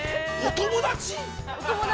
お友達？